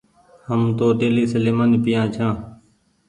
هم تو ڍيلي سليمآني پيآ ڇآن